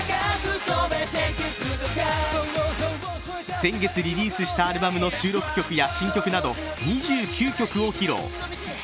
先月リリースしたアルバムの収録曲や新曲など２９曲を披露。